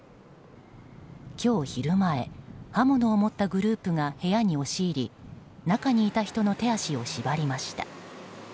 今日昼前、刃物を持ったグループが部屋に押し入り中にいた人の手足を縛りました。